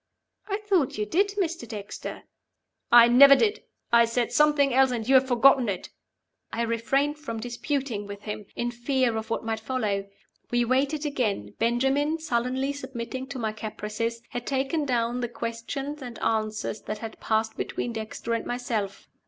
'" "I thought you did, Mr. Dexter." "I never did! I said something else, and you have forgotten it." I refrained from disputing with him, in fear of what might follow. We waited again. Benjamin, sullenly submitting to my caprices, had taken down the questions and answers that had passed between Dexter and myself.